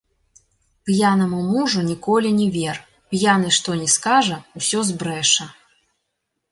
П'янаму мужу ніколі не вер, п'яны што ні скажа, усё збрэша.